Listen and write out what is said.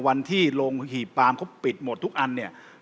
วันที่โรงหีบปามเขาปิดหมดทุกอันเนี่ย